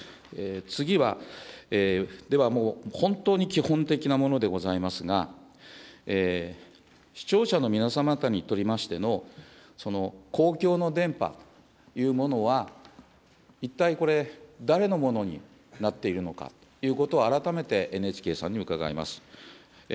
次は、ではもう、本当に基本的なものでございますが、視聴者の皆様方にとりましての公共の電波というものは、一体これ、誰のものになっているのかということを、改めてＮＨＫさんに伺います。